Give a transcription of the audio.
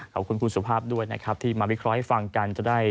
ขอบคุณคุณสุภาพด้วยนะครับที่มาวิเคราะห์ให้ฟังกันจะได้